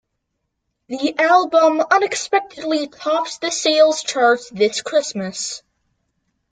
The album unexpectedly tops the sales chart this Christmas.